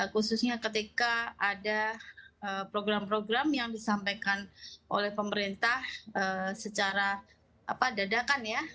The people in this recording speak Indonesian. khususnya ketika ada program program yang disampaikan oleh pemerintah secara dadakan ya